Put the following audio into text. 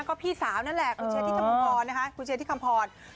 ก็พี่สาวนั่นแหละคุณเจียที่คำพรนนะคะ